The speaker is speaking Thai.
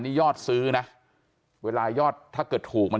ความปลอดภัยของนายอภิรักษ์และครอบครัวด้วยซ้ำ